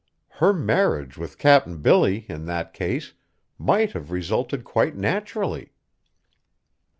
Her marriage with Cap'n Billy, in that case, might have resulted quite naturally.